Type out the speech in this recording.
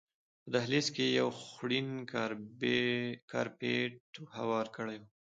په دهلیز کې یې یو خوړین کارپېټ هوار کړی و.